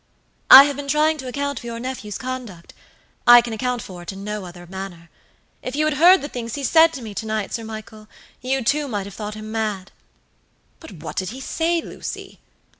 "I have been trying to account for your nephew's conduct. I can account for it in no other manner. If you had heard the things he said to me to night, Sir Michael, you too might have thought him mad." "But what did he say, Lucy?"